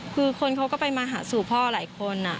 คือคนเขาก็ไปมาหาสู่พ่อหลายคน